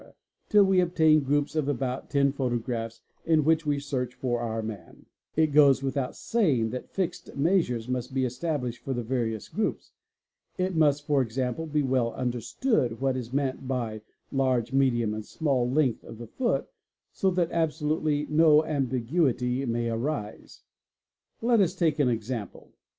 till we obtain ® groups of about 10 photographs in which we search for our man. ts It goes without saying that fixed measures must be established for | oA amy EGA EA BS BAIS HALO eT eal 7 eh AN RL amrimer Pree se 'the various groups; it must for example be well understood what 1s Meant by large, medium, and small length of the foot, so that absolutely ' 10 ambiguity may arise. ) Let us take an example.